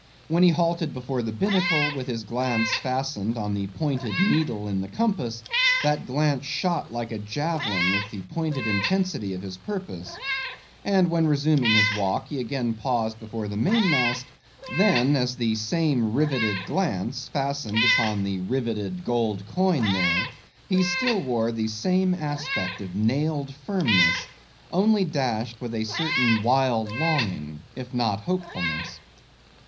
When he halted before the binnacle, with his glance fastened on the pointed needle in the compass, that glance shot like a javelin with the pointed intensity of his purpose; and when resuming his walk he again paused before the mainmast, then, as the same riveted glance fastened upon the riveted gold coin there, he still wore the same aspect of nailed firmness, only dashed with a certain wild longing, if not hopefulness.